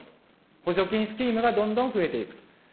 補助金スキームがどんどん増えていくと。